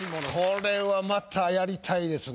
これはまたやりたいですね。